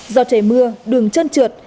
do trời mưa đường trơn trượt